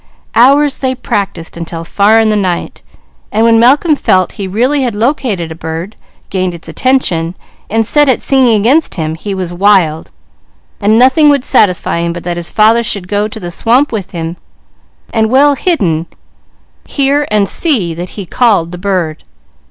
Hours they practised until far in the night, and when Malcolm felt he really had located a bird, gained its attention, and set it singing against him, he was wild, and nothing would satisfy him but that his father should go to the swamp with him, and well hidden, hear and see that he called the bird.